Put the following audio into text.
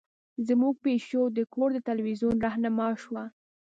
زمونږ پیشو د کور د تلویزیون رهنما شوه.